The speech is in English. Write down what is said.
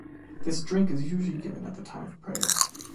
This drink is usually given at the time of the prayer.